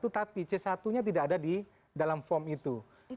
tapi c satu nya tidak ada di dalam form itu